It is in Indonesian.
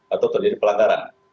atau terjadi pelanggaran